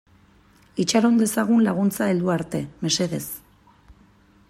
Itxaron dezagun laguntza heldu arte, mesedez.